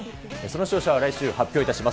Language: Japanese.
その勝者は来週発表します。